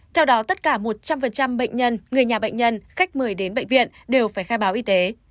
theo đó tất cả một trăm linh bệnh nhân người nhà bệnh nhân khách mời đến bệnh viện đều phải khai báo y tế